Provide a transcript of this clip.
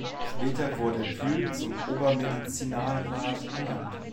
Später wurde Pyl zum Obermedizinalrat ernannt.